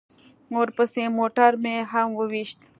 ورپسې موټر مې هم وويشت.